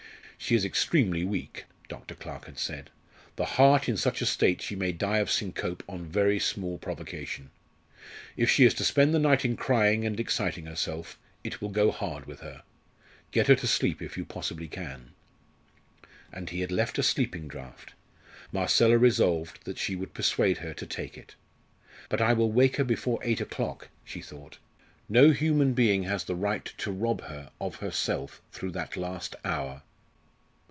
"She is extremely weak," Dr. Clarke had said; "the heart in such a state she may die of syncope on very small provocation. If she is to spend the night in crying and exciting herself, it will go hard with her. Get her to sleep if you possibly can." And he had left a sleeping draught. Marcella resolved that she would persuade her to take it. "But I will wake her before eight o'clock," she thought. "No human being has the right to rob her of herself through that last hour."